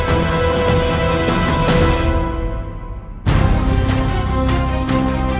kau mau kemana